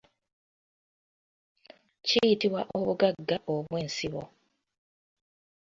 Kiyitibwa obugagga obw'ensibo.